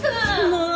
もう！